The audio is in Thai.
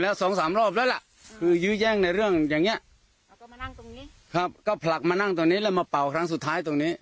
แล้วสองสามรอบแล้วล่ะก็พลักมานั่งตรงนี้แล้วมาเป่าครั้งสุดท้ายตรงนี้